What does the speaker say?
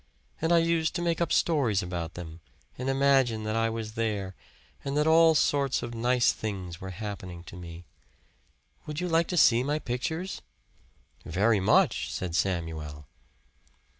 And I used to make up stories about them, and imagine that I was there, and that all sorts of nice things were happening to me. Would you like to see my pictures?" "Very much," said Samuel.